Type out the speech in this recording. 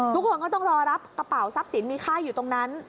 ทุกคนก็ต้องรอรับกระเป๋าทรัพย์สินมีค่าอยู่ตรงนั้น